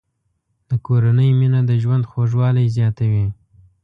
د کورنۍ مینه د ژوند خوږوالی زیاتوي.